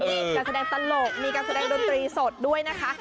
มีการแสดงตลกมีการแสดงดนตรีสดด้วยนะคะ